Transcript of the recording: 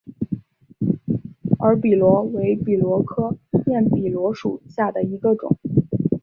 耳笔螺为笔螺科焰笔螺属下的一个种。